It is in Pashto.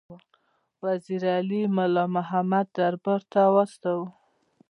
وزیر علي مُلا محمد دربار ته واستاوه.